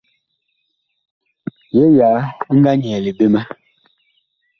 Yee yaa ɛ nga nyɛɛle ɓe ma.